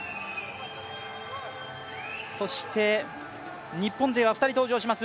そして日本勢は２人登場します。